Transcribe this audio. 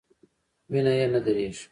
وینه یې نه دریږي.